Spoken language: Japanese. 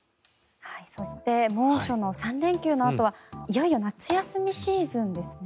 そして猛暑の３連休のあとはいよいよ夏休みシーズンですね。